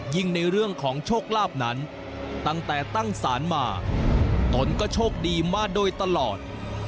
ในเรื่องของโชคลาภนั้นตั้งแต่ตั้งศาลมาตนก็โชคดีมาโดยตลอด